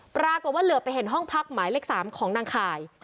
ปรากฏว่าเหลือไปเห็นห้องพักหมายเลข๓ของนางข่าย